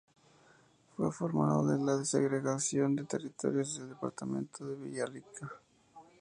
Fue formado de la segregación de territorios del Departamento de Villarrica.